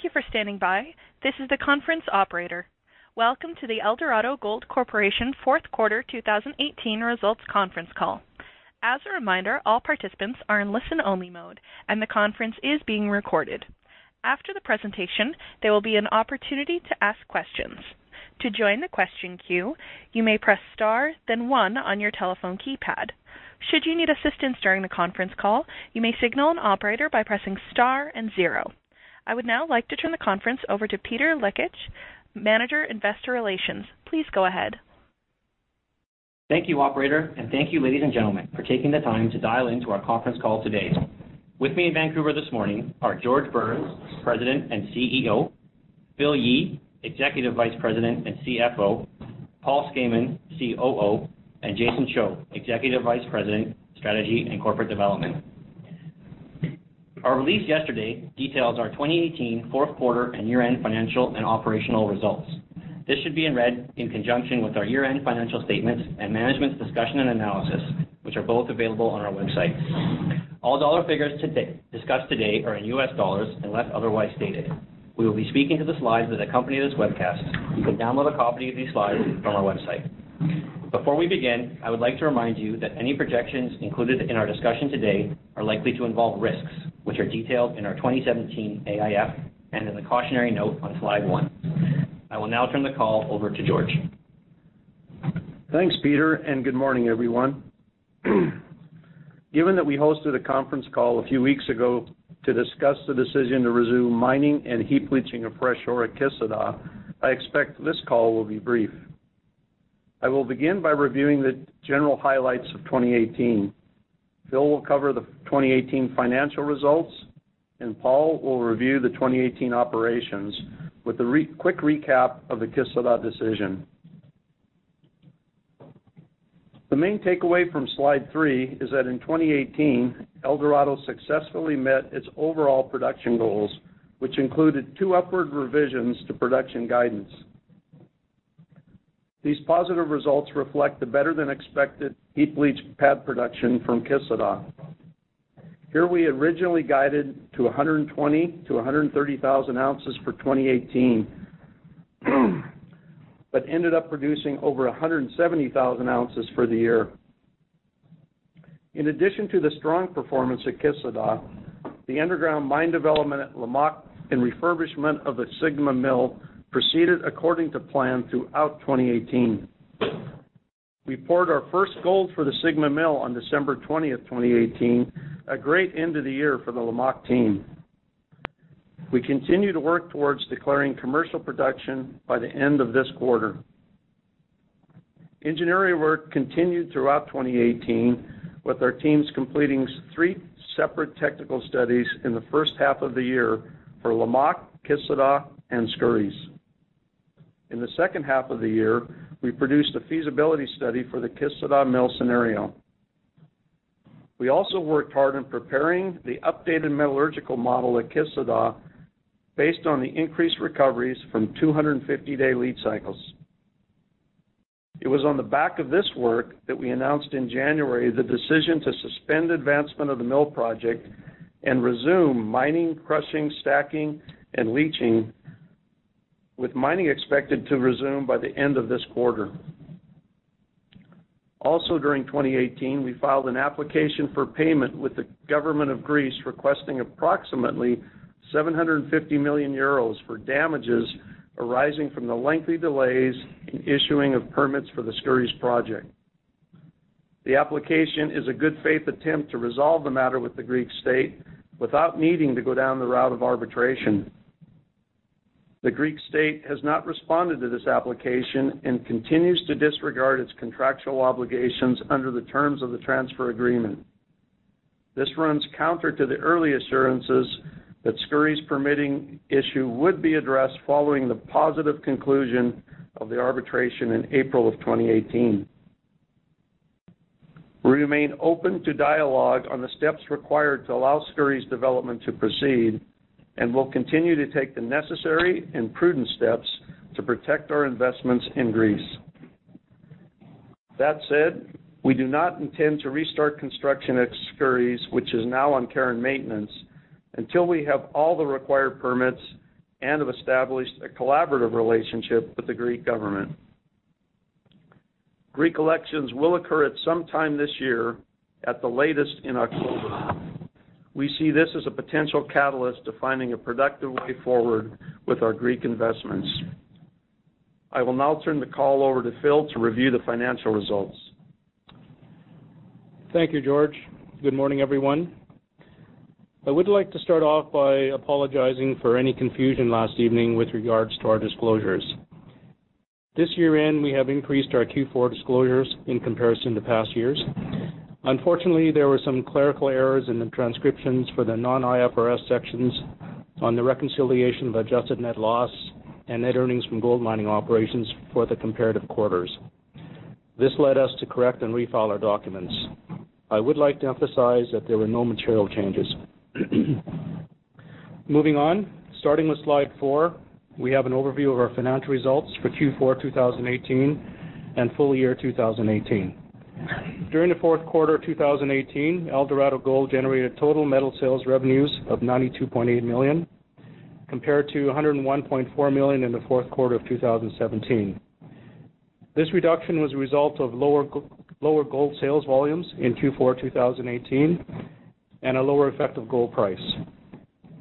Thank you for standing by. This is the conference operator. Welcome to the Eldorado Gold Corporation fourth quarter 2018 results conference call. As a reminder, all participants are in listen-only mode, and the conference is being recorded. After the presentation, there will be an opportunity to ask questions. To join the question queue, you may press star then one on your telephone keypad. Should you need assistance during the conference call, you may signal an operator by pressing star and zero. I would now like to turn the conference over to Peter Lekich, Manager, Investor Relations. Please go ahead. Thank you, operator, and thank you, ladies and gentlemen, for taking the time to dial in to our conference call today. With me in Vancouver this morning are George Burns, President and CEO, Phil Yee, Executive Vice President and CFO, Paul Skayman, COO, and Jason Cho, Executive Vice President, Strategy and Corporate Development. Our release yesterday details our 2018 fourth quarter and year-end financial and operational results. This should be read in conjunction with our year-end financial statements and management's discussion and analysis, which are both available on our website. All dollar figures discussed today are in US dollars unless otherwise stated. We will be speaking to the slides that accompany this webcast. You can download a copy of these slides from our website. Before we begin, I would like to remind you that any projections included in our discussion today are likely to involve risks, which are detailed in our 2017 AIF and in the cautionary note on slide one. I will now turn the call over to George. Thanks, Peter, and good morning, everyone. Given that we hosted a conference call a few weeks ago to discuss the decision to resume mining and heap leaching of fresh ore at Kisladag, I expect this call will be brief. I will begin by reviewing the general highlights of 2018. Phil will cover the 2018 financial results, and Paul will review the 2018 operations with a quick recap of the Kisladag decision. The main takeaway from slide three is that in 2018, Eldorado successfully met its overall production goals, which included two upward revisions to production guidance. These positive results reflect the better than expected heap leach pad production from Kisladag. Here we originally guided to 120,000 to 130,000 ounces for 2018, but ended up producing over 170,000 ounces for the year. In addition to the strong performance at Kisladag, the underground mine development at Lamaque and refurbishment of the Sigma Mill proceeded according to plan throughout 2018. We poured our first gold for the Sigma Mill on December 20th, 2018, a great end of the year for the Lamaque team. We continue to work towards declaring commercial production by the end of this quarter. Engineering work continued throughout 2018, with our teams completing three separate technical studies in the first half of the year for Lamaque, Kisladag and Skouries. In the second half of the year, we produced a feasibility study for the Kisladag mill scenario. We also worked hard on preparing the updated metallurgical model at Kisladag based on the increased recoveries from 250-day lead cycles. It was on the back of this work that we announced in January the decision to suspend advancement of the mill project and resume mining, crushing, stacking and leaching, with mining expected to resume by the end of this quarter. Also during 2018, we filed an application for payment with the government of Greece, requesting approximately 750 million euros for damages arising from the lengthy delays in issuing of permits for the Skouries project. The application is a good faith attempt to resolve the matter with the Greek state without needing to go down the route of arbitration. The Greek state has not responded to this application and continues to disregard its contractual obligations under the terms of the transfer agreement. This runs counter to the early assurances that Skouries' permitting issue would be addressed following the positive conclusion of the arbitration in April of 2018. We remain open to dialogue on the steps required to allow Skouries development to proceed and will continue to take the necessary and prudent steps to protect our investments in Greece. That said, we do not intend to restart construction at Skouries, which is now on care and maintenance, until we have all the required permits and have established a collaborative relationship with the Greek government. Greek elections will occur at some time this year, at the latest in October. We see this as a potential catalyst to finding a productive way forward with our Greek investments. I will now turn the call over to Phil to review the financial results. Thank you, George. Good morning, everyone. I would like to start off by apologizing for any confusion last evening with regards to our disclosures. This year-end, we have increased our Q4 disclosures in comparison to past years. Unfortunately, there were some clerical errors in the transcriptions for the non-IFRS sections on the reconciliation of adjusted net loss and net earnings from gold mining operations for the comparative quarters. This led us to correct and refile our documents. I would like to emphasize that there were no material changes. Moving on, starting with slide four, we have an overview of our financial results for Q4 2018 and full year 2018. During the fourth quarter of 2018, Eldorado Gold generated total metal sales revenues of $92.8 million, compared to $101.4 million in the fourth quarter of 2017. This reduction was a result of lower gold sales volumes in Q4 2018, and a lower effective gold price,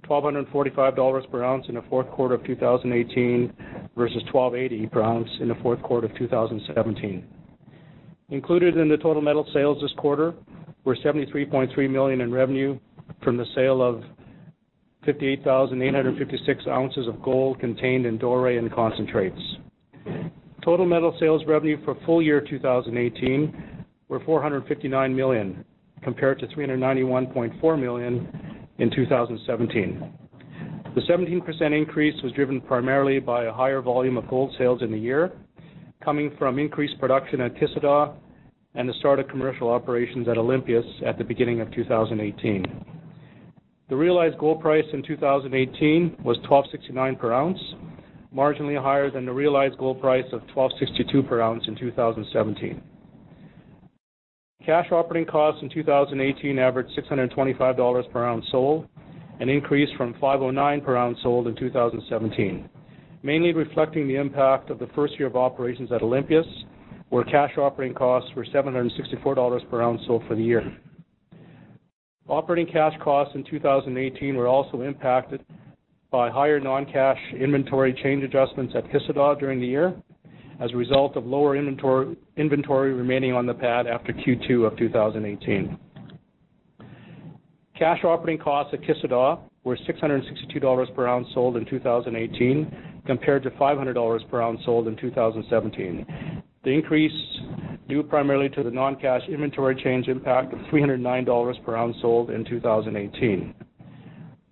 $1,245 per ounce in the fourth quarter of 2018 versus $1,280 per ounce in the fourth quarter of 2017. Included in the total metal sales this quarter were $73.3 million in revenue from the sale of 58,856 ounces of gold contained in Doré and concentrates. Total metal sales revenue for full year 2018 were $459 million, compared to $391.4 million in 2017. The 17% increase was driven primarily by a higher volume of gold sales in the year, coming from increased production at Kisladag and the start of commercial operations at Olympias at the beginning of 2018. The realized gold price in 2018 was $1,269 per ounce, marginally higher than the realized gold price of $1,262 per ounce in 2017. Cash operating costs in 2018 averaged $625 per ounce sold, an increase from $509 per ounce sold in 2017, mainly reflecting the impact of the first year of operations at Olympias, where cash operating costs were $764 per ounce sold for the year. Operating cash costs in 2018 were also impacted by higher non-cash inventory change adjustments at Kisladag during the year, as a result of lower inventory remaining on the pad after Q2 of 2018. Cash operating costs at Kisladag were $662 per ounce sold in 2018, compared to $500 per ounce sold in 2017, the increase due primarily to the non-cash inventory change impact of $309 per ounce sold in 2018.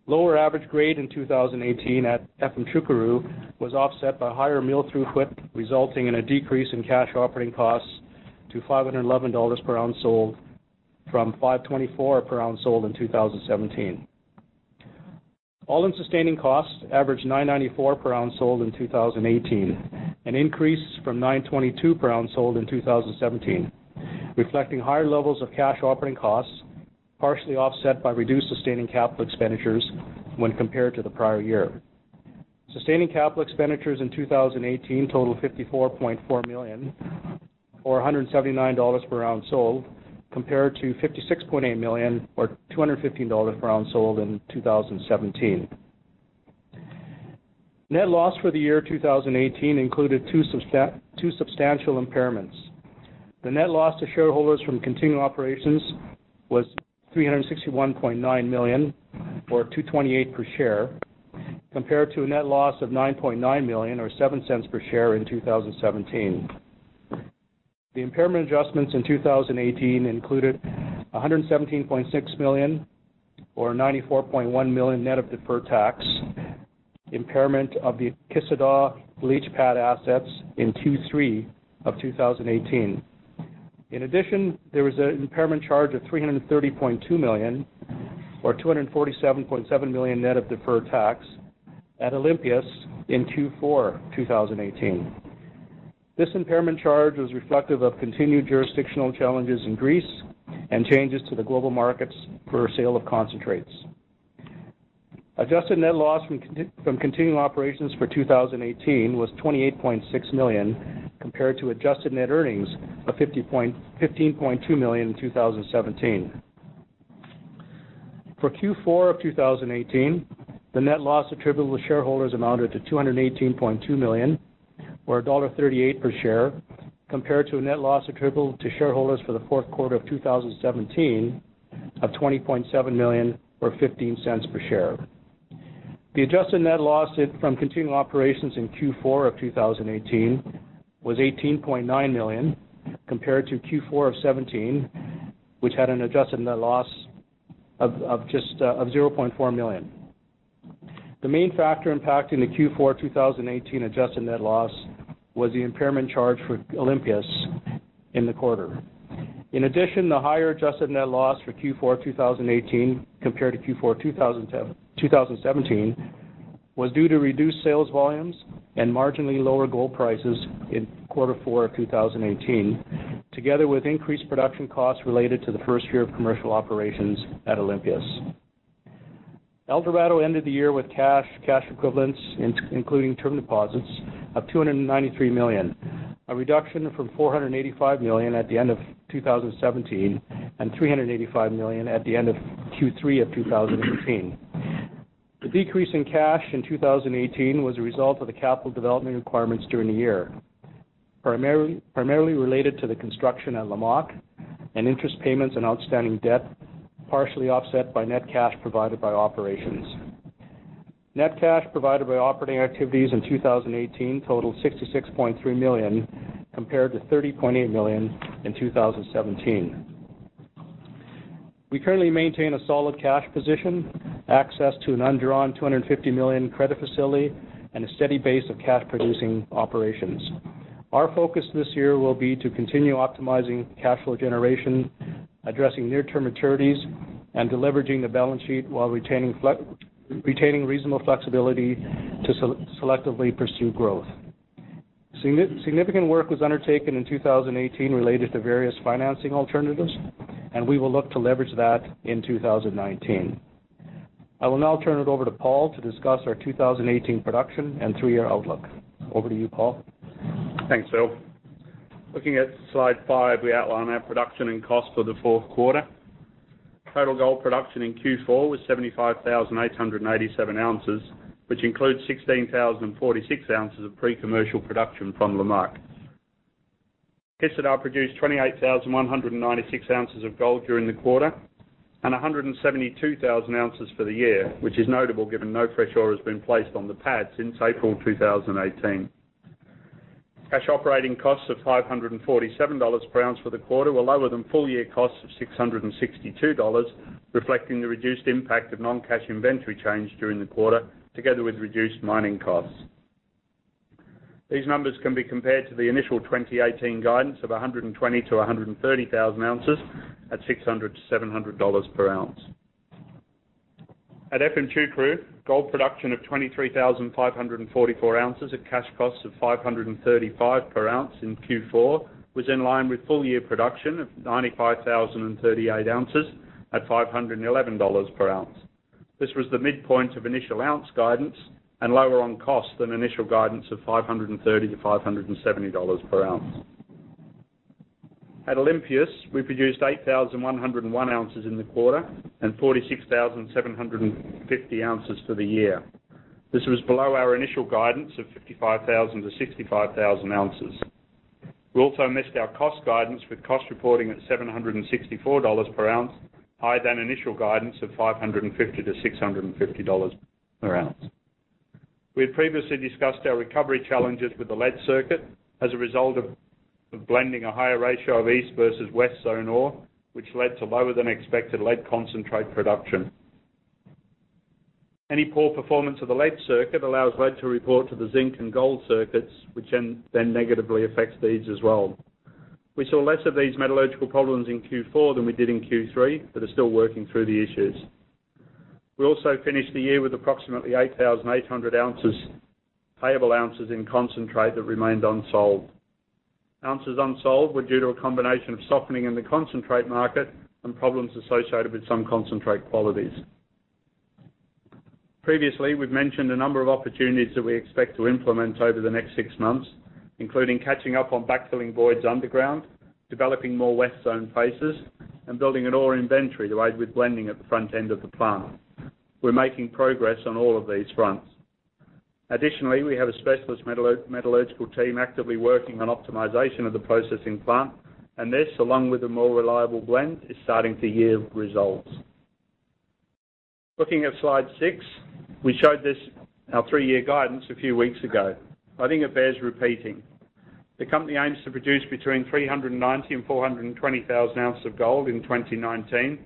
Lower average grade in 2018 at Efemçukuru was offset by higher mill throughput, resulting in a decrease in cash operating costs to $511 per ounce sold from $524 per ounce sold in 2017. All-in sustaining costs averaged $994 per ounce sold in 2018, an increase from $922 per ounce sold in 2017, reflecting higher levels of cash operating costs, partially offset by reduced sustaining capital expenditures when compared to the prior year. Sustaining capital expenditures in 2018 totaled $54.4 million or $179 per ounce sold, compared to $56.8 million or $215 per ounce sold in 2017. Net loss for the year 2018 included two substantial impairments. The net loss to shareholders from continuing operations was $361.9 million or $2.28 per share, compared to a net loss of $9.9 million or $0.07 per share in 2017. The impairment adjustments in 2018 included $117.6 million or $94.1 million net of deferred tax, impairment of the Kisladag leach pad assets in Q3 of 2018. In addition, there was an impairment charge of $330.2 million or $247.7 million net of deferred tax at Olympias in Q4 2018. This impairment charge was reflective of continued jurisdictional challenges in Greece and changes to the global markets for sale of concentrates. Adjusted net loss from continuing operations for 2018 was $28.6 million, compared to adjusted net earnings of $15.2 million in 2017. For Q4 of 2018, the net loss attributable to shareholders amounted to $218.2 million or $1.38 per share, compared to a net loss attributable to shareholders for the fourth quarter of 2017 of $20.7 million or $0.15 per share. The adjusted net loss from continuing operations in Q4 of 2018 was $18.9 million, compared to Q4 of 2017, which had an adjusted net loss of $0.4 million. The main factor impacting the Q4 2018 adjusted net loss was the impairment charge for Olympias in the quarter. In addition, the higher adjusted net loss for Q4 2018 compared to Q4 2017 was due to reduced sales volumes and marginally lower gold prices in quarter four of 2018, together with increased production costs related to the first year of commercial operations at Olympias. Eldorado ended the year with cash equivalents, including term deposits, of $293 million, a reduction from $485 million at the end of 2017 and $385 million at the end of Q3 of 2018. The decrease in cash in 2018 was a result of the capital development requirements during the year, primarily related to the construction at Lamaque and interest payments on outstanding debt, partially offset by net cash provided by operations. Net cash provided by operating activities in 2018 totaled $66.3 million, compared to $30.8 million in 2017. We currently maintain a solid cash position, access to an undrawn $250 million credit facility, and a steady base of cash-producing operations. Our focus this year will be to continue optimizing cash flow generation, addressing near-term maturities, and deleveraging the balance sheet while retaining reasonable flexibility to selectively pursue growth. Significant work was undertaken in 2018 related to various financing alternatives, and we will look to leverage that in 2019. I will now turn it over to Paul to discuss our 2018 production and three-year outlook. Over to you, Paul. Thanks, Phil. Looking at slide five, we outline our production and cost for the fourth quarter. Total gold production in Q4 was 75,887 ounces, which includes 16,046 ounces of pre-commercial production from Lamaque. Kisladag produced 28,196 ounces of gold during the quarter and 172,000 ounces for the year, which is notable given no fresh ore has been placed on the pad since April 2018. Cash operating costs of $547 per ounce for the quarter were lower than full-year costs of $662, reflecting the reduced impact of non-cash inventory change during the quarter, together with reduced mining costs. These numbers can be compared to the initial 2018 guidance of 120,000-130,000 ounces at $600-$700 per ounce. At Efemçukuru, gold production of 23,544 ounces at cash costs of $535 per ounce in Q4 was in line with full-year production of 95,038 ounces at $511 per ounce. This was the midpoint of initial ounce guidance and lower on cost than initial guidance of $530-$570 per ounce. At Olympias, we produced 8,101 ounces in the quarter and 46,750 ounces for the year. This was below our initial guidance of 55,000-65,000 ounces. We also missed our cost guidance with cost reporting at $764 per ounce, higher than initial guidance of $550-$650 per ounce. We had previously discussed our recovery challenges with the lead circuit as a result of blending a higher ratio of east versus west zone ore, which led to lower than expected lead concentrate production. Any poor performance of the lead circuit allows lead to report to the zinc and gold circuits, which then negatively affects these as well. We saw less of these metallurgical problems in Q4 than we did in Q3, but are still working through the issues. We also finished the year with approximately 8,800 payable ounces in concentrate that remained unsold. Ounces unsold were due to a combination of softening in the concentrate market and problems associated with some concentrate qualities. Previously, we've mentioned a number of opportunities that we expect to implement over the next six months, including catching up on backfilling voids underground, developing more west zone faces, and building an ore inventory to aid with blending at the front end of the plant. We're making progress on all of these fronts. Additionally, we have a specialist metallurgical team actively working on optimization of the processing plant, and this, along with a more reliable blend, is starting to yield results. Looking at slide six, we showed this, our three-year guidance, a few weeks ago. I think it bears repeating. The company aims to produce between 390,000 and 420,000 ounces of gold in 2019.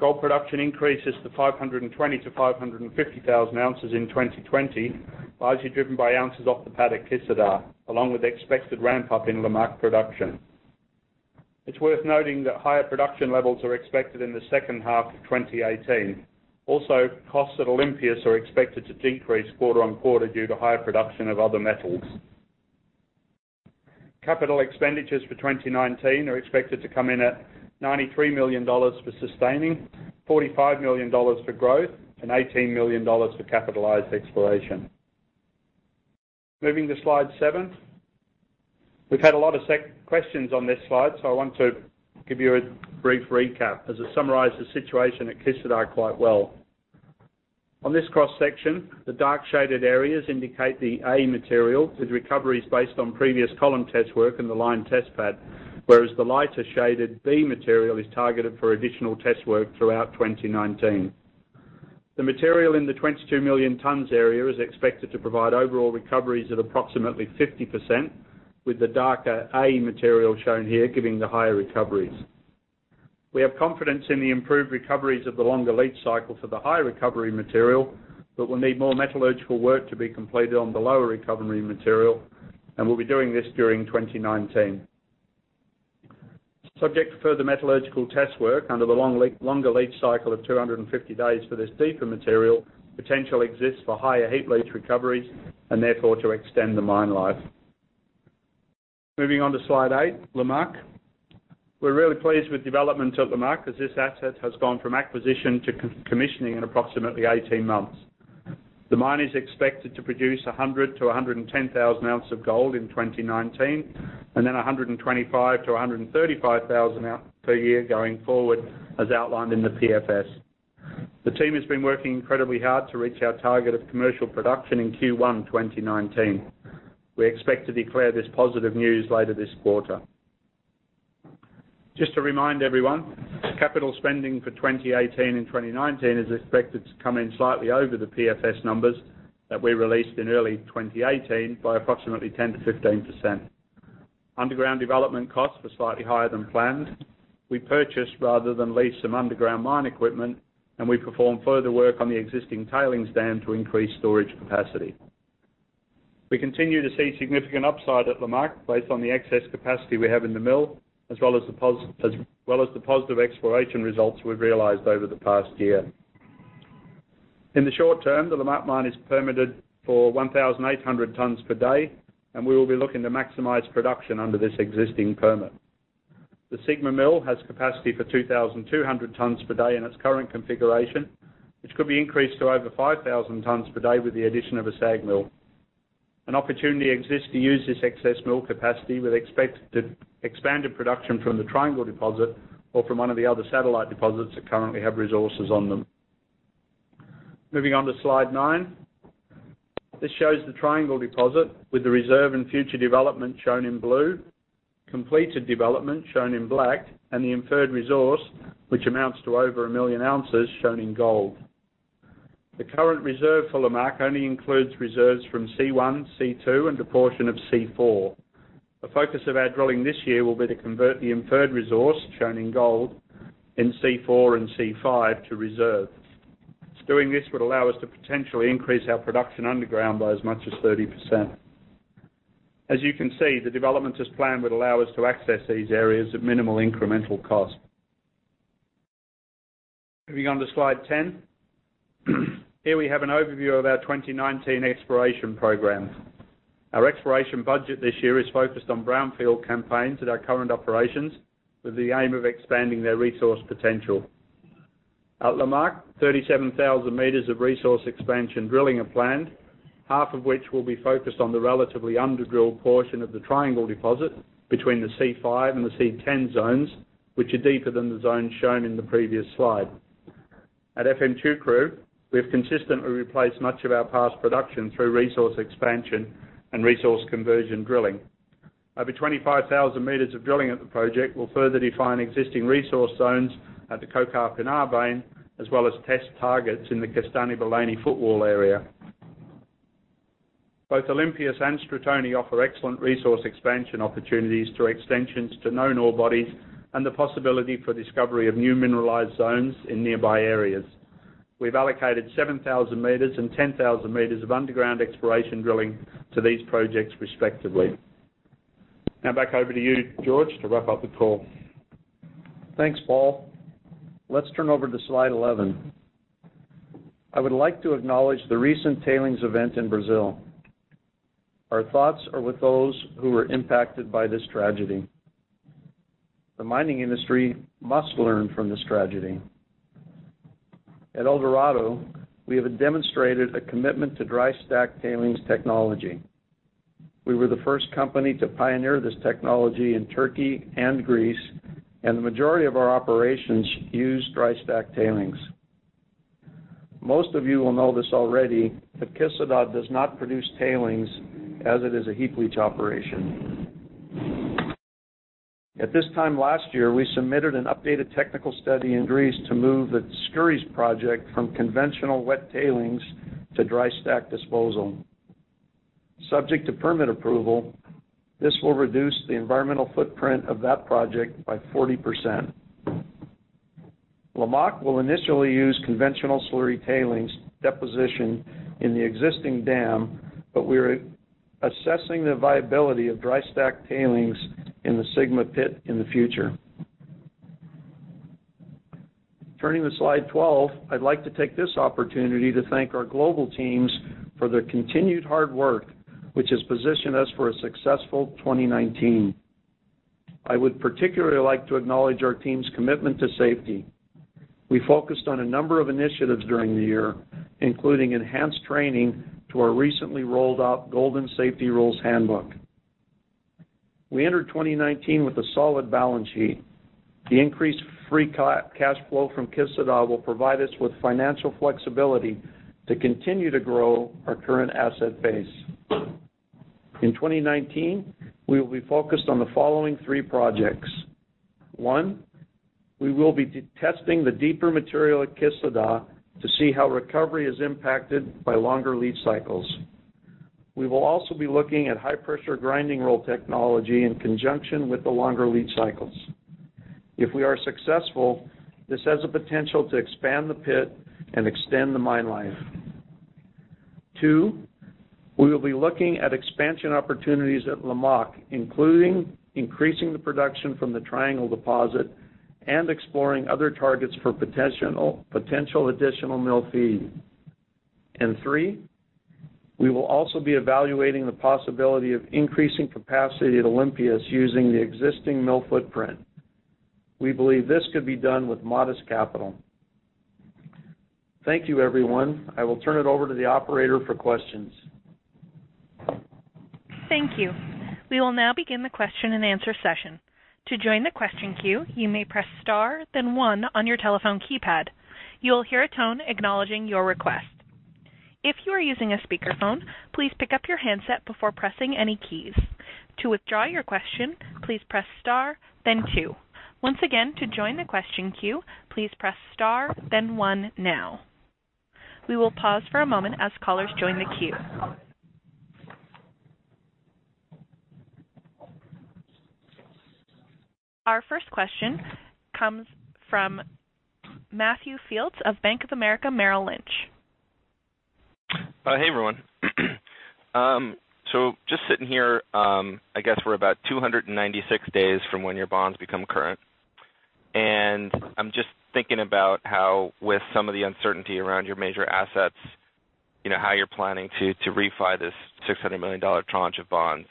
Gold production increases to 520,000-550,000 ounces in 2020, largely driven by ounces off the pad at Kisladag, along with the expected ramp-up in Lamaque production. It's worth noting that higher production levels are expected in the second half of 2018. Costs at Olympias are expected to decrease quarter-over-quarter due to higher production of other metals. Capital expenditures for 2019 are expected to come in at $93 million for sustaining, $45 million for growth, and $18 million for capitalized exploration. Moving to slide seven. We've had a lot of questions on this slide, so I want to give you a brief recap as it summarizes the situation at Kisladag quite well. On this cross-section, the dark shaded areas indicate the A material with recoveries based on previous column test work in the lined test pad. Whereas the lighter shaded B material is targeted for additional test work throughout 2019. The material in the 22 million-ton area is expected to provide overall recoveries of approximately 50%, with the darker A material shown here giving the higher recoveries. We have confidence in the improved recoveries of the longer leach cycle for the high recovery material, but we'll need more metallurgical work to be completed on the lower recovery material, and we'll be doing this during 2019. Subject to further metallurgical test work under the longer leach cycle of 250 days for this deeper material, potential exists for higher heap leach recoveries and therefore to extend the mine life. Moving on to slide eight, Lamaque. We're really pleased with development at Lamaque as this asset has gone from acquisition to commissioning in approximately 18 months. The mine is expected to produce 100,000-110,000 ounces of gold in 2019, and then 125,000-135,000 ounces per year going forward, as outlined in the PFS. The team has been working incredibly hard to reach our target of commercial production in Q1 2019. We expect to declare this positive news later this quarter. Just to remind everyone, capital spending for 2018 and 2019 is expected to come in slightly over the PFS numbers that we released in early 2018 by approximately 10%-15%. Underground development costs were slightly higher than planned. We purchased rather than leased some underground mine equipment, and we performed further work on the existing tailings dam to increase storage capacity. We continue to see significant upside at Lamaque based on the excess capacity we have in the mill, as well as the positive exploration results we've realized over the past year. In the short term, the Lamaque mine is permitted for 1,800 tons per day, and we will be looking to maximize production under this existing permit. The Sigma Mill has capacity for 2,200 tons per day in its current configuration, which could be increased to over 5,000 tons per day with the addition of a SAG mill. An opportunity exists to use this excess mill capacity with expanded production from the Triangle Deposit or from one of the other satellite deposits that currently have resources on them. Moving on to slide nine. This shows the Triangle Deposit with the reserve and future development shown in blue, completed development shown in black, and the inferred resource, which amounts to over 1 million ounces, shown in gold. The current reserve for Lamaque only includes reserves from C1, C2, and a portion of C4. The focus of our drilling this year will be to convert the inferred resource, shown in gold, in C4 and C5 to reserves. Doing this would allow us to potentially increase our production underground by as much as 30%. As you can see, the development as planned would allow us to access these areas at minimal incremental cost. Moving on to slide 10. Here we have an overview of our 2019 exploration program. Our exploration budget this year is focused on brownfield campaigns at our current operations, with the aim of expanding their resource potential. At Lamaque, 37,000 meters of resource expansion drilling are planned, half of which will be focused on the relatively under-drilled portion of the Triangle Deposit between the C5 and the C10 zones, which are deeper than the zones shown in the previous slide. At Efemçukuru, we have consistently replaced much of our past production through resource expansion and resource conversion drilling. Over 25,000 meters of drilling at the project will further define existing resource zones at the Kokarpinar vein, as well as test targets in the Kestanebeleni footwall area. Both Olympias and Skouries offer excellent resource expansion opportunities through extensions to known ore bodies and the possibility for discovery of new mineralized zones in nearby areas. We've allocated 7,000 meters and 10,000 meters of underground exploration drilling to these projects respectively. Now back over to you, George, to wrap up the call. Thanks, Paul. Let's turn over to slide 11. I would like to acknowledge the recent tailings event in Brazil. Our thoughts are with those who were impacted by this tragedy. The mining industry must learn from this tragedy. At Eldorado, we have demonstrated a commitment to dry stack tailings technology. We were the first company to pioneer this technology in Turkey and Greece, and the majority of our operations use dry stack tailings. Most of you will know this already, but Kisladag does not produce tailings as it is a heap leach operation. At this time last year, we submitted an updated technical study in Greece to move the Skouries project from conventional wet tailings to dry stack disposal. Subject to permit approval, this will reduce the environmental footprint of that project by 40%. Lamaque will initially use conventional slurry tailings deposition in the existing dam, but we're assessing the viability of dry stack tailings in the Sigma pit in the future. Turning to Slide 12. I'd like to take this opportunity to thank our global teams for their continued hard work, which has positioned us for a successful 2019. I would particularly like to acknowledge our team's commitment to safety. We focused on a number of initiatives during the year, including enhanced training to our recently rolled out Golden Safety Rules handbook. We entered 2019 with a solid balance sheet. The increased free cash flow from Kisladag will provide us with financial flexibility to continue to grow our current asset base. In 2019, we will be focused on the following three projects. One, we will be testing the deeper material at Kisladag to see how recovery is impacted by longer leach cycles. We will also be looking at high-pressure grinding roll technology in conjunction with the longer leach cycles. If we are successful, this has the potential to expand the pit and extend the mine life. Two, we will be looking at expansion opportunities at Lamaque, including increasing the production from the Triangle Deposit and exploring other targets for potential additional mill feed. Three, we will also be evaluating the possibility of increasing capacity at Olympias using the existing mill footprint. We believe this could be done with modest capital. Thank you, everyone. I will turn it over to the operator for questions. Thank you. We will now begin the question and answer session. To join the question queue, you may press star then one on your telephone keypad. You will hear a tone acknowledging your request. If you are using a speakerphone, please pick up your handset before pressing any keys. To withdraw your question, please press star then two. Once again, to join the question queue, please press star then one now. We will pause for a moment as callers join the queue. Our first question comes from [Matthew Fields] of Bank of America Merrill Lynch. Hey, everyone. Just sitting here, I guess we're about 296 days from when your bonds become current. I'm just thinking about how, with some of the uncertainty around your major assets, how you're planning to refi this $600 million tranche of bonds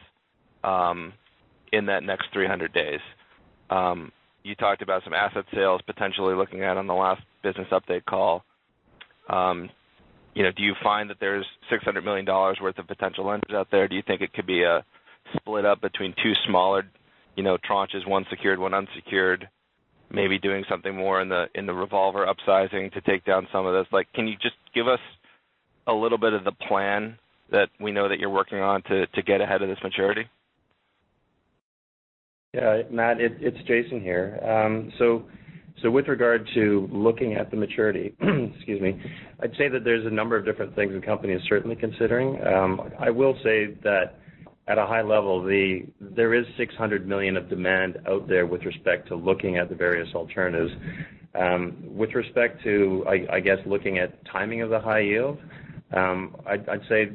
in that next 300 days. You talked about some asset sales potentially looking at on the last business update call. Do you find that there's $600 million worth of potential lenders out there? Do you think it could be split up between two smaller tranches, one secured, one unsecured, maybe doing something more in the revolver upsizing to take down some of this? Can you just give us a little bit of the plan that we know that you're working on to get ahead of this maturity? Yeah, Matt, it's Jason here. With regard to looking at the maturity, excuse me, I'd say that there's a number of different things the company is certainly considering. I will say that at a high level, there is $600 million of demand out there with respect to looking at the various alternatives. With respect to, I guess, looking at timing of the high yield, I'd say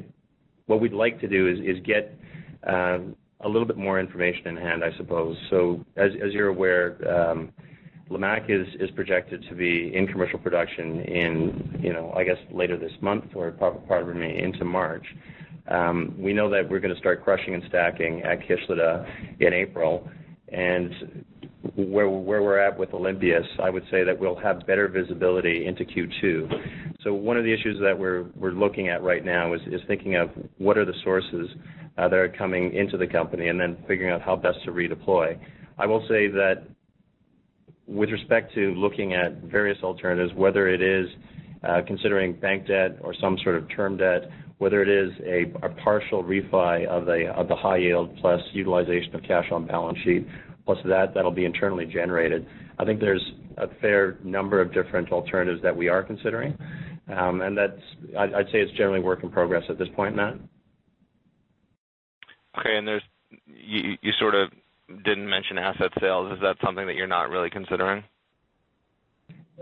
what we'd like to do is get a little bit more information in hand, I suppose. As you're aware, Lamaque is projected to be in commercial production in, I guess, later this month or part of May into March. We know that we're going to start crushing and stacking at Kisladag in April. Where we're at with Olympias, I would say that we'll have better visibility into Q2. One of the issues that we're looking at right now is thinking of what are the sources that are coming into the company and then figuring out how best to redeploy. I will say that with respect to looking at various alternatives, whether it is considering bank debt or some sort of term debt, whether it is a partial refi of the high yield plus utilization of cash on balance sheet, plus that'll be internally generated. I think there's a fair number of different alternatives that we are considering. I'd say it's generally work in progress at this point, Matt. Okay, you sort of didn't mention asset sales. Is that something that you're not really considering?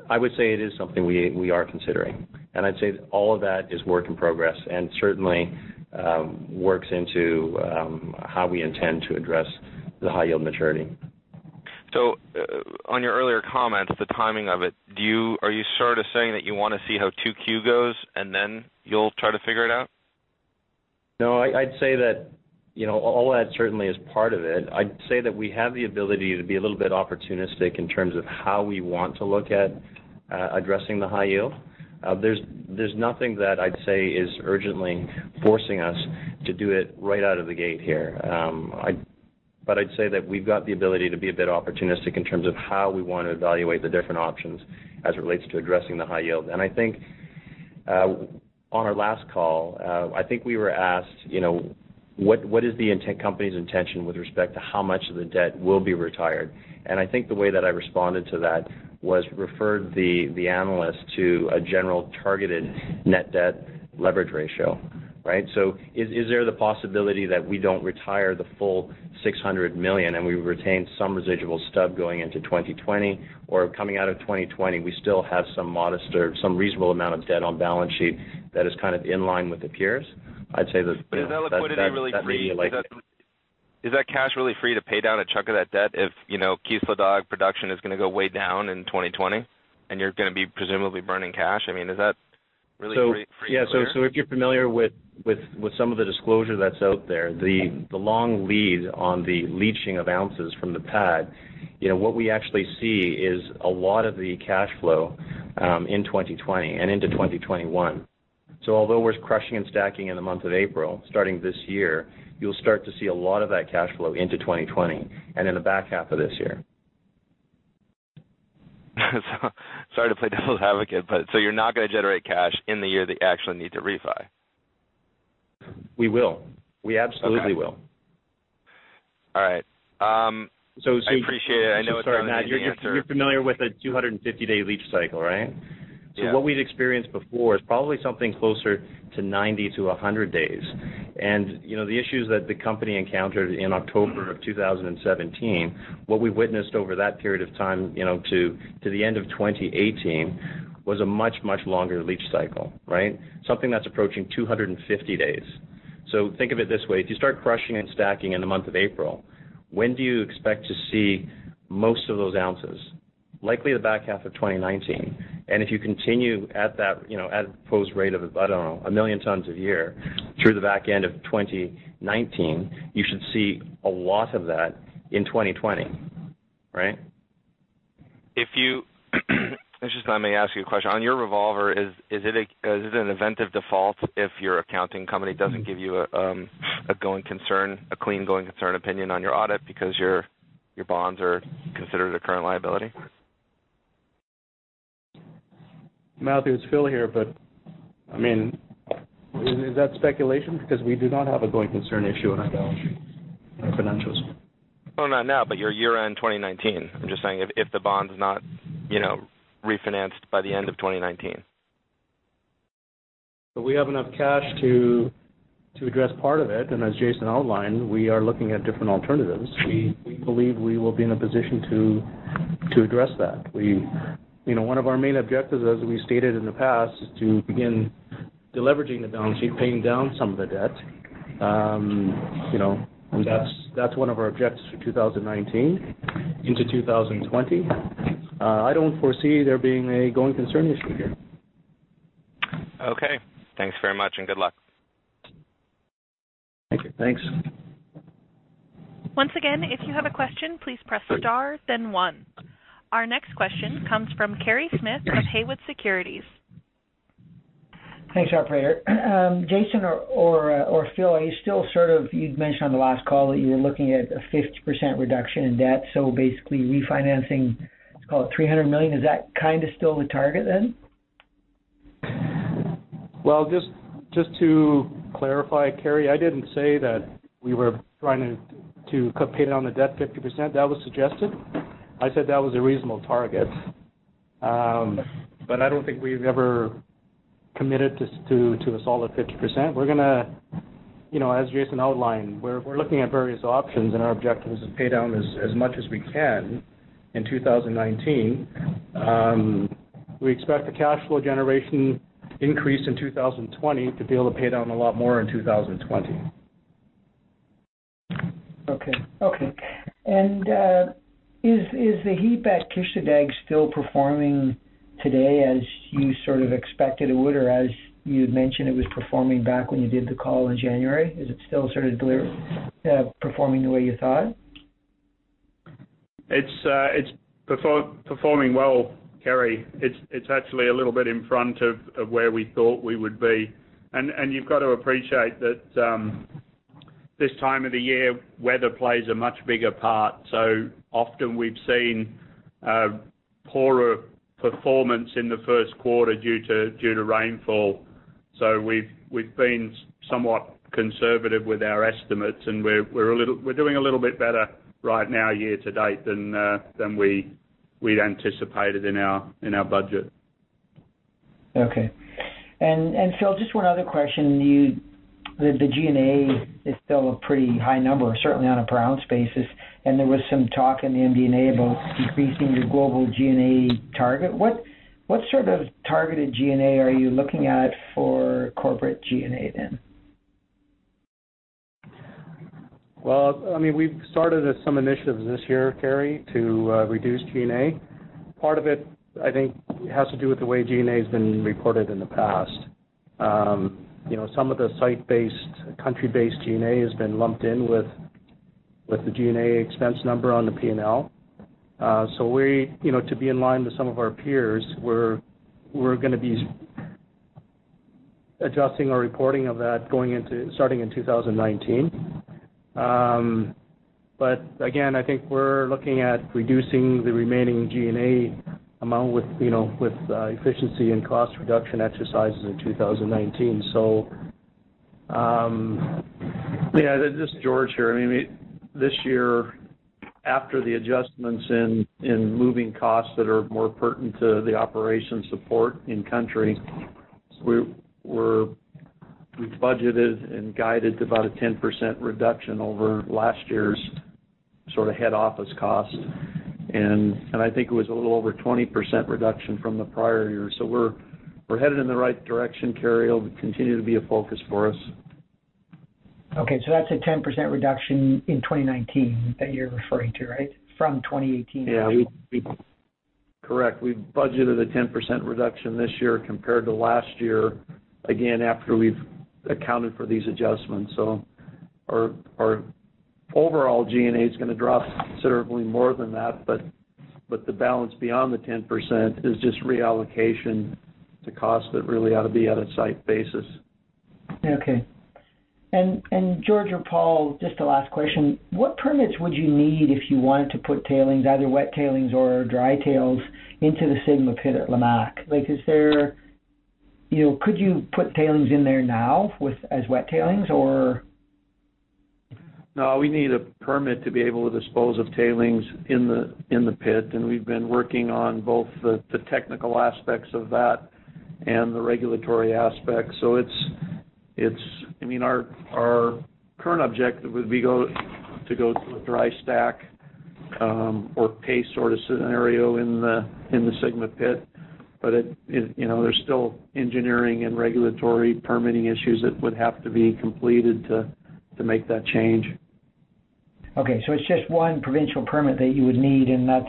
I would say it is something we are considering, and I'd say all of that is work in progress and certainly works into how we intend to address the high yield maturity. On your earlier comment, the timing of it, are you sort of saying that you want to see how 2Q goes and then you'll try to figure it out? No, I'd say that all that certainly is part of it. I'd say that we have the ability to be a little bit opportunistic in terms of how we want to look at addressing the high yield. There's nothing that I'd say is urgently forcing us to do it right out of the gate here. I'd say that we've got the ability to be a bit opportunistic in terms of how we want to evaluate the different options as it relates to addressing the high yield. I think on our last call, I think we were asked, what is the company's intention with respect to how much of the debt will be retired? I think the way that I responded to that was referred the analyst to a general targeted net debt leverage ratio. Right? is there the possibility that we don't retire the full $600 million and we retain some residual stub going into 2020, or coming out of 2020, we still have some modest or some reasonable amount of debt on balance sheet that is kind of in line with the peers? I'd say that. Is that liquidity really free? Is that cash really free to pay down a chunk of that debt if Kisladag production is going to go way down in 2020 and you're going to be presumably burning cash? I mean, is that really free and clear? If you're familiar with some of the disclosure that's out there, the long lead on the leaching of ounces from the pad. What we actually see is a lot of the cash flow in 2020 and into 2021. Although we're crushing and stacking in the month of April, starting this year, you'll start to see a lot of that cash flow into 2020 and in the back half of this year. Sorry to play devil's advocate, but so you're not going to generate cash in the year that you actually need to refi? We will. We absolutely will. All right. I appreciate it. I know it's. Sorry, Matt, you're familiar with a 250-day leach cycle, right? Yeah. What we'd experienced before is probably something closer to 90-100 days. The issues that the company encountered in October 2017, what we witnessed over that period of time to the end of 2018 was a much, much longer leach cycle, right? Something that's approaching 250 days. Think of it this way, if you start crushing and stacking in the month of April, when do you expect to see most of those ounces? Likely the back half of 2019. If you continue at that imposed rate of, I don't know, 1 million tons a year through the back end of 2019, you should see a lot of that in 2020, right? If you just let me ask you a question. On your revolver, is it an event of default if your accounting company doesn't give you a clean going concern opinion on your audit because your bonds are considered a current liability? Matthew, it's Phil here. I mean, is that speculation? Because we do not have a going concern issue on our balance sheets, on our financials. Well, not now, but your year-end 2019. I'm just saying if the bond's not refinanced by the end of 2019. We have enough cash to address part of it, and as Jason outlined, we are looking at different alternatives. We believe we will be in a position to address that. One of our main objectives, as we stated in the past, is to begin deleveraging the balance sheet, paying down some of the debt. That's one of our objectives for 2019 into 2020. I don't foresee there being a going concern issue here. Okay. Thanks very much and good luck. Thank you. Thanks. Once again, if you have a question, please press star then one. Our next question comes from Kerry Smith of Haywood Securities. Thanks, operator. Jason or Phil, you'd mentioned on the last call that you were looking at a 50% reduction in debt, so basically refinancing, let's call it $300 million. Is that kind of still the target then? Well, just to clarify, Kerry, I didn't say that we were trying to pay down the debt 50%. That was suggested. I said that was a reasonable target. I don't think we've ever committed to a solid 50%. As Jason outlined, we're looking at various options, and our objective is to pay down as much as we can in 2019. We expect the cash flow generation increase in 2020 to be able to pay down a lot more in 2020. Okay. Is the heap at Kisladag still performing today as you sort of expected it would, or as you'd mentioned it was performing back when you did the call in January? Is it still sort of performing the way you thought? It's performing well, Kerry. It's actually a little bit in front of where we thought we would be. You've got to appreciate that this time of the year, weather plays a much bigger part. Often we've seen poorer performance in the first quarter due to rainfall. We've been somewhat conservative with our estimates, and we're doing a little bit better right now year to date than we'd anticipated in our budget. Okay. Phil, just one other question. The G&A is still a pretty high number, certainly on a per ounce basis, and there was some talk in the MD&A about decreasing your global G&A target. What sort of targeted G&A are you looking at for corporate G&A then? Well, we've started some initiatives this year, Kerry, to reduce G&A. Part of it, I think, has to do with the way G&A has been recorded in the past. Some of the site-based, country-based G&A has been lumped in with the G&A expense number on the P&L. To be in line with some of our peers, we're going to be adjusting our reporting of that starting in 2019. Again, I think we're looking at reducing the remaining G&A amount with efficiency and cost reduction exercises in 2019. Yeah, this is George here. This year, after the adjustments in moving costs that are more pertinent to the operation support in country, we've budgeted and guided about a 10% reduction over last year's head office cost. I think it was a little over 20% reduction from the prior year. We're headed in the right direction, Kerry. It'll continue to be a focus for us. Okay, that's a 10% reduction in 2019 that you're referring to, right? From 2018. Yeah. Correct. We've budgeted a 10% reduction this year compared to last year, again, after we've accounted for these adjustments. Our overall G&A is going to drop considerably more than that, but the balance beyond the 10% is just reallocation to costs that really ought to be on a site basis. Okay. George or Paul, just a last question. What permits would you need if you wanted to put tailings, either wet tailings or dry tails, into the Sigma pit at Lamaque? Could you put tailings in there now as wet tailings or? No, we need a permit to be able to dispose of tailings in the pit, and we've been working on both the technical aspects of that and the regulatory aspects. Our current objective would be to go to a dry stack or paste sort of scenario in the Sigma pit. There's still engineering and regulatory permitting issues that would have to be completed to make that change. It's just one provincial permit that you would need, and that's.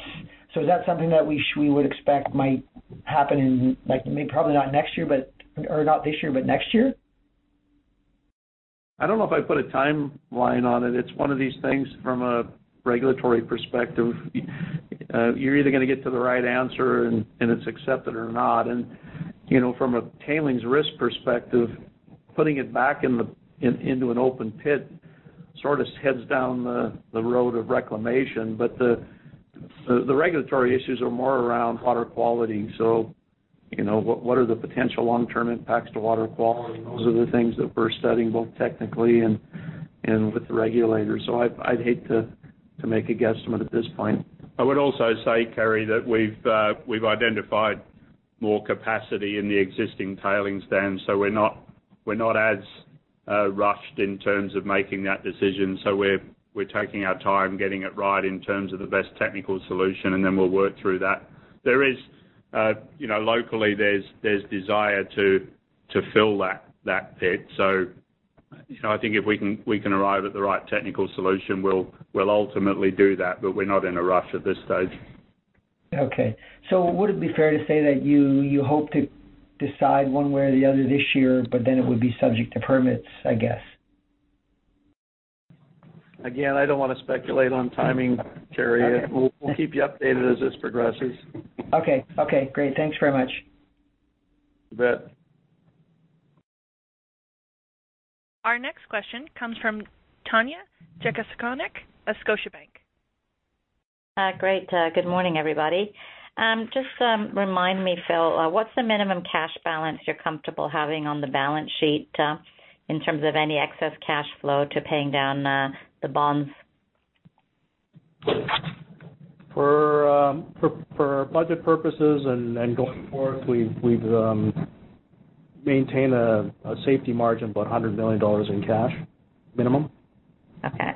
Is that something that we would expect might happen in, probably not this year, but next year? I don't know if I'd put a timeline on it. It's one of these things from a regulatory perspective, you're either going to get to the right answer and it's accepted or not. From a tailings risk perspective, putting it back into an open pit sort of heads down the road of reclamation. The regulatory issues are more around water quality. What are the potential long-term impacts to water quality? Those are the things that we're studying, both technically and with the regulators. I'd hate to make a guesstimate at this point. I would also say, Kerry, that we've identified. More capacity in the existing tailings dam. We're not as rushed in terms of making that decision. We're taking our time getting it right in terms of the best technical solution, and then we'll work through that. Locally, there's desire to fill that pit. I think if we can arrive at the right technical solution, we'll ultimately do that. We're not in a rush at this stage. Okay. Would it be fair to say that you hope to decide one way or the other this year, but then it would be subject to permits, I guess? Again, I don't want to speculate on timing, Kerry. We'll keep you updated as this progresses. Okay. Great. Thanks very much. You bet. Our next question comes from Tanya Jakusconek of Scotiabank. Great. Good morning, everybody. Just remind me, Phil, what's the minimum cash balance you're comfortable having on the balance sheet in terms of any excess cash flow to paying down the bonds? For budget purposes and going forth, we've maintained a safety margin, about $100 million in cash minimum. Okay.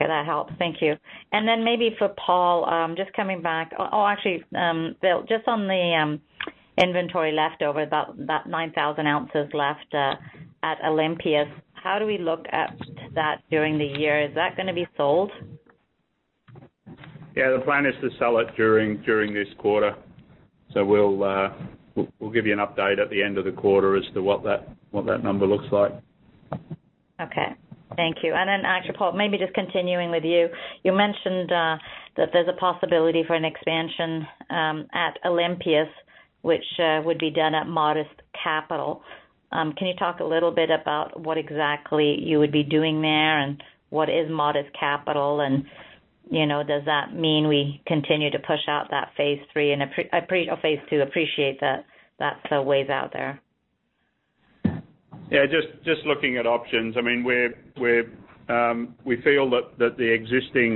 That helps. Thank you. Maybe for Paul, actually, Phil, just on the inventory leftover, that 9,000 ounces left at Olympias, how do we look at that during the year? Is that going to be sold? Yeah, the plan is to sell it during this quarter. We'll give you an update at the end of the quarter as to what that number looks like. Okay. Thank you. Actually, Paul, maybe just continuing with you. You mentioned that there's a possibility for an expansion at Olympias, which would be done at modest capital. Can you talk a little bit about what exactly you would be doing there, and what is modest capital, and does that mean we continue to push out that phase II? Appreciate that's way out there. Yeah, just looking at options. We feel that the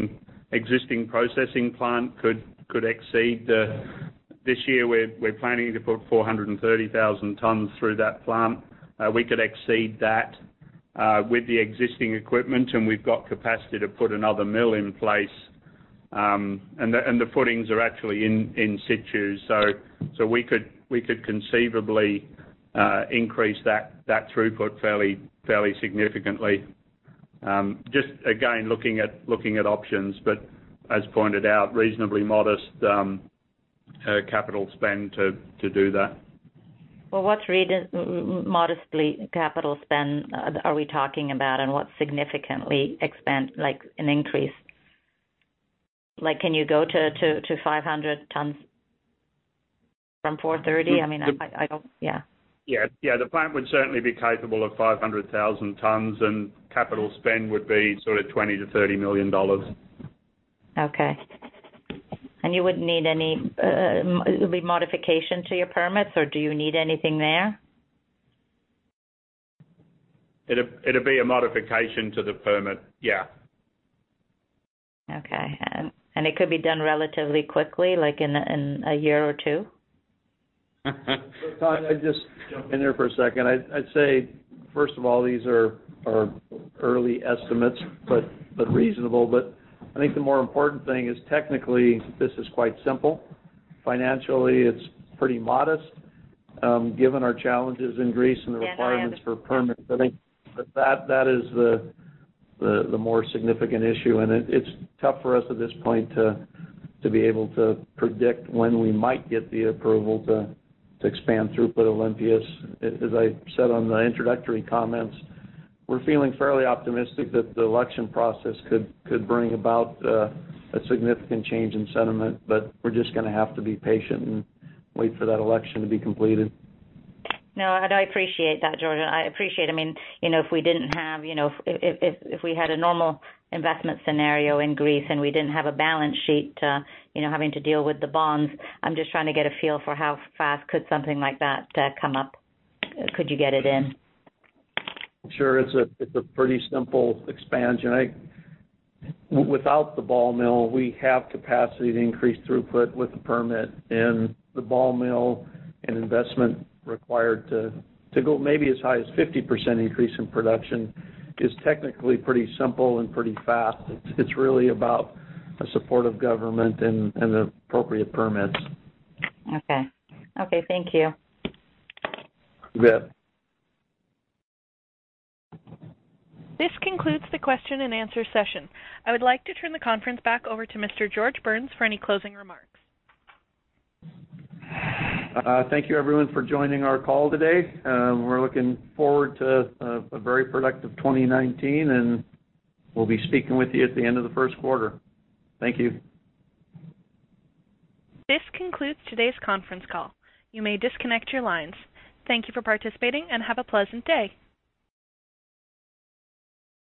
existing processing plant could exceed that. This year, we're planning to put 430,000 tons through that plant. We could exceed that with the existing equipment, and we've got capacity to put another mill in place. The footings are actually in situ. We could conceivably increase that throughput fairly significantly. Just again, looking at options, but as pointed out, reasonably modest capital spend to do that. Well, what modest capital spend are we talking about, and what's significant expansion, like an increase? Can you go to 500 tons from 430 tons? I mean, I don't. Yeah. Yeah. The plant would certainly be capable of 500,000 tons, and capital spend would be sort of $20 million-$30 million. Okay. There'll be modification to your permits, or do you need anything there? It'll be a modification to the permit, yeah. Okay. It could be done relatively quickly, like in a year or two? Tanya, I'll just jump in there for a second. I'd say, first of all, these are early estimates, but reasonable. I think the more important thing is technically, this is quite simple. Financially, it's pretty modest given our challenges in Greece and the requirements. Yeah For permits, I think that is the more significant issue, and it's tough for us at this point to be able to predict when we might get the approval to expand throughput Olympias. As I said on the introductory comments, we're feeling fairly optimistic that the election process could bring about a significant change in sentiment, but we're just going to have to be patient and wait for that election to be completed. No, and I appreciate that, George. I appreciate if we had a normal investment scenario in Greece and we didn't have a balance sheet having to deal with the bonds. I'm just trying to get a feel for how fast could something like that come up. Could you get it in? Sure. It's a pretty simple expansion. Without the ball mill, we have capacity to increase throughput with the permit, and the ball mill and investment required to go maybe as high as 50% increase in production is technically pretty simple and pretty fast. It's really about a supportive government and the appropriate permits. Okay. Thank you. You bet. This concludes the question and answer session. I would like to turn the conference back over to Mr. George Burns for any closing remarks. Thank you everyone for joining our call today. We're looking forward to a very productive 2019, and we'll be speaking with you at the end of the first quarter. Thank you. This concludes today's conference call. You may disconnect your lines. Thank you for participating and have a pleasant day.